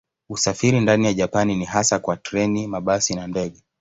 Usafiri ndani ya Japani ni hasa kwa treni, mabasi na ndege.